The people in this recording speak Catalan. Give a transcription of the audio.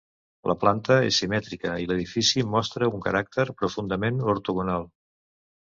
La planta és simètrica i l'edifici mostra un caràcter profundament ortogonal.